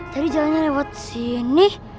tadi jalannya lewat sini